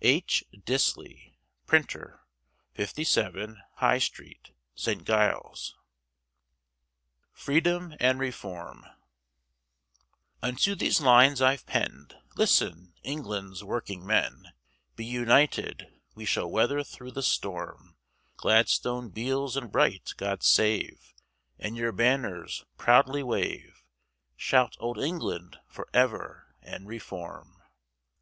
H. Disley, Printer, 57, High Street, St. Giles. FREEDOM & REFORM. Unto these lines I've penned, Listen, England's working men, Be united, we shall weather thro' the storm, Gladstone, Beales, & Bright, God save, And your banners proudly wave, Shout Old England for ever and Reform.